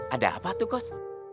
ada apa tuh kos